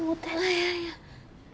いやいや。